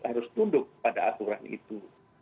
harus tunduk pada aturan itu